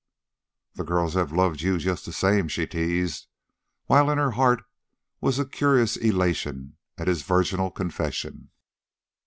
"The girls have loved you just the same," she teased, while in her heart was a curious elation at his virginal confession.